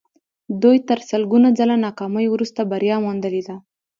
دوی تر سلګونه ځله ناکامیو وروسته بریا موندلې ده